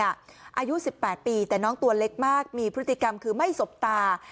อายุ๑๘ปีแต่น้องตัวเล็กมากมีพฤติกรรมคือไม่สบตา